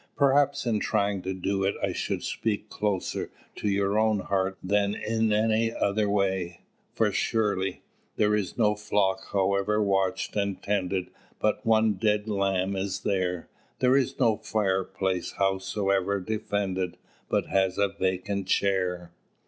Perhaps in trying to do it I should speak closer to your own heart than in any other way. For surely "There is no flock, however watched and tended But one dead lamb is there. There is no fireside, howsoe'er defended But has a vacant chair."